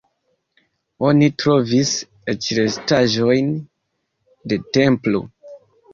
Oni trovis eĉ restaĵojn de templo.